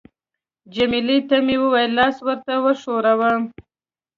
جميله ته مې وویل: لاس ورته وښوروه.